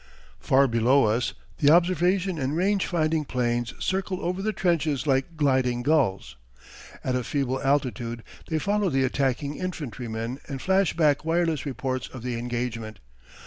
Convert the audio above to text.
Far below us, the observation and range finding planes circle over the trenches like gliding gulls. At a feeble altitude they follow the attacking infantrymen and flash back wireless reports of the engagement.